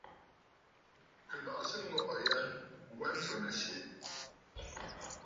Nɨ̀ lɔꞌɔsə ŋgɔ̀ꞌɔ̀ ya wa ntsù nɨ̀syɛ̀!